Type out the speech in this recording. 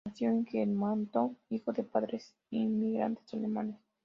Nació en Germantown, hijo de padres inmigrantes alemanes.